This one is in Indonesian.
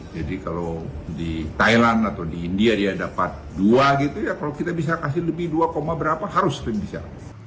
jadi kalau di thailand atau di india dia dapat dua gitu ya kalau kita bisa kasih lebih dua berapa harus sering bisa